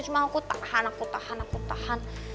cuma aku tahan aku tahan aku tahan